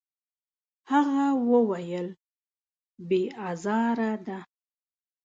هغه وویل: «بې ازاره ده.»